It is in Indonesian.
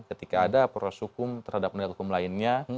ketika ada proses hukum terhadap penegak hukum lainnya